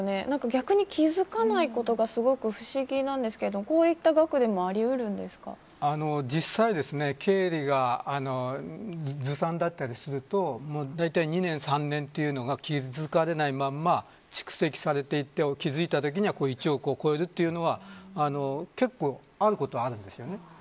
逆に気付かないことがすごく不思議なんですけどこういった額でも実際、経理がずさんだったりするとだいたい２年、３年というのが気付かれないまま蓄積されていって気付いたときには、こういう１億を超えるというのは結構あることはあるんですよね。